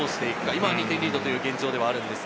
今２点リードという現状です。